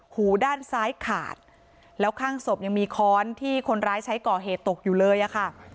หูด้านซ้ายขาดแล้วข้างศพยังมีค้อนที่คนร้ายใช้ก่อเหตุตกอยู่เลยอะค่ะ